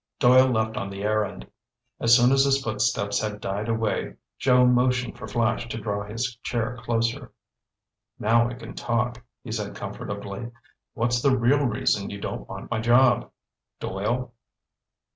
Doyle left on the errand. As soon as his footsteps had died away, Joe motioned for Flash to draw his chair closer. "Now we can talk," he said comfortably. "What's the real reason you don't want my job? Doyle?"